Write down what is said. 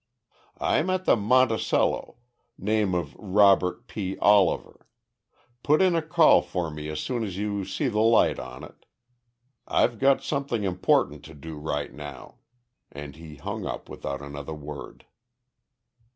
"I'm at the Monticello name of Robert P. Oliver. Put in a call for me as soon as you see the light on it. I've got something important to do right now," and he hung up without another word.